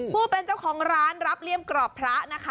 ผู้เป็นเจ้าของร้านรับเลี่ยมกรอบพระนะคะ